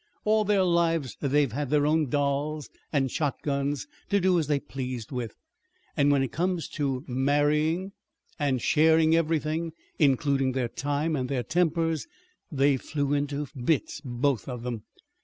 All their lives they'd had their own dolls and shotguns to do as they pleased with; and when it came to marrying and sharing everything, including their time and their tempers, they flew into bits both of them."